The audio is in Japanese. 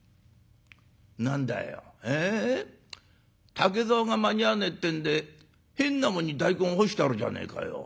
竹ざおが間に合わねえってんで変なもんに大根干してあるじゃねえかよ。